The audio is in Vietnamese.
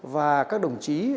và các đồng chí